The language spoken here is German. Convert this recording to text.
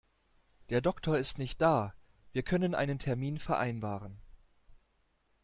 Der Doktor ist nicht da, wir können einen Termin vereinbaren.